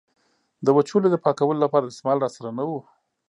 د وچولې د پاکولو لپاره دستمال را سره نه و.